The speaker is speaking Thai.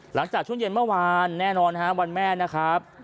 หลังจากช่วงเย็นเมื่อวานแน่นอนฮะวันแม่นะครับ